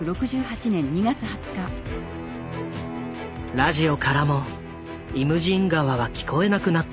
ラジオからも「イムジン河」は聞こえなくなった。